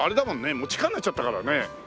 もう地下になっちゃったからね。